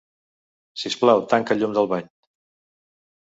Sisplau, tanca el llum del bany.